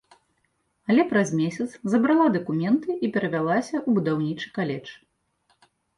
Але праз месяц забрала дакументы і перавялася ў будаўнічы каледж.